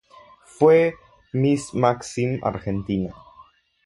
Fue "Miss Maxim argentina".